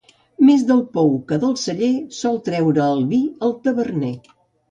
Més del pou que del celler, sol treure el vi el taverner.